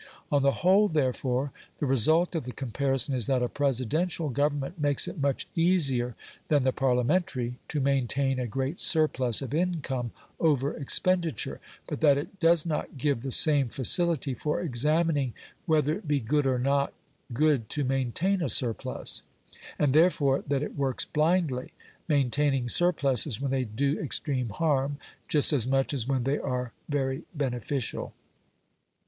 On the whole, therefore, the result of the comparison is that a Presidential government makes it much easier than the Parliamentary to maintain a great surplus of income over expenditure, but that it does not give the same facility for examining whether it be good or not good to maintain a surplus, and, therefore, that it works blindly, maintaining surpluses when they do extreme harm just as much as when they are very beneficial.